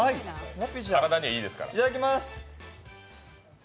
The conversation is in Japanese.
いただきます。